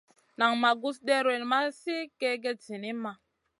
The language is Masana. Nan ma gus ɗewrel ma sli kègèd zinimma.